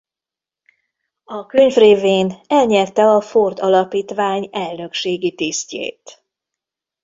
A könyv révén elnyerte a Ford Alapítvány elnökségi tisztjét.